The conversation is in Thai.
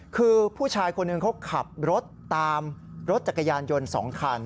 คือผู้ชายคนหนึ่งเขาขับรถตามรถจักรยานยนต์๒คัน